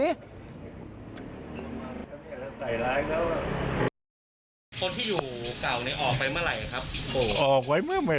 คนที่อยู่เก่านี้ออกไปเมื่อไหร่ครับ